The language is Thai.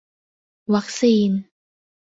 วัคซีน